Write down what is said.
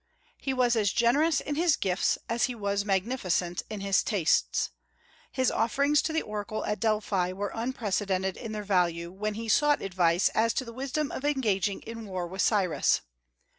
He was as generous in his gifts as he was magnificent in his tastes. His offerings to the oracle at Delphi were unprecedented in their value, when he sought advice as to the wisdom of engaging in war with Cyrus.